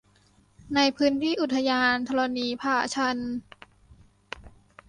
ในพื้นที่อุทยานธรณีผาชัน